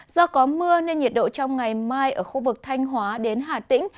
do có mưa nên nhiệt độ trong ngày mai ở khu vực thanh hóa đến hà tĩnh